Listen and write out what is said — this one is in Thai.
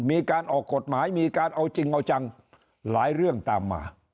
มีการออกกฎหมายมีการเอาจริงเอาจังหลายเรื่องตามมา